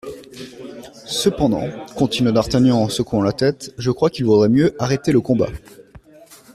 Cependant, continua d'Artagnan en secouant la tête, je crois qu'il vaudrait mieux arrêter le combat.